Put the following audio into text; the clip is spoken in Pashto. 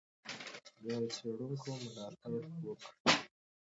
د څېړونکو ملاتړ وکړئ.